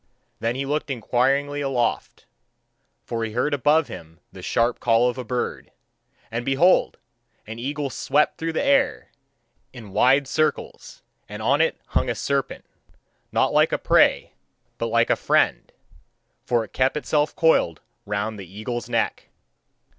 Then he looked inquiringly aloft, for he heard above him the sharp call of a bird. And behold! An eagle swept through the air in wide circles, and on it hung a serpent, not like a prey, but like a friend: for it kept itself coiled round the eagle's neck.